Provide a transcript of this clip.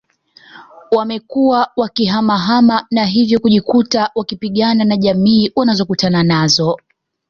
Wamekuwa wakihamahama na hivyo kujikuta wakipigana na jamii wanazokutana nazo